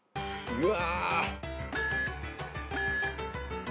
うわ。